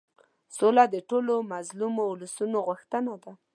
سوله د ټولو مظلومو اولسونو غوښتنه ده.